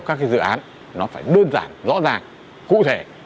các dự án nó phải đơn giản rõ ràng cụ thể